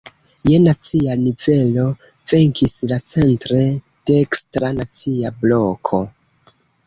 Je nacia nivelo, venkis la centre dekstra Nacia Bloko.